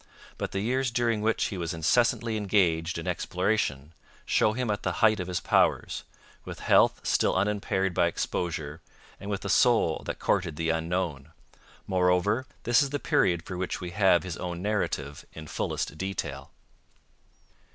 But the years during which he was incessantly engaged in exploration show him at the height of his powers, with health still unimpaired by exposure and with a soul that courted the unknown. Moreover, this is the period for which we have his own narrative in fullest detail.